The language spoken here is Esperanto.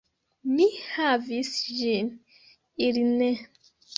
Mi havis ĝin, ili ne.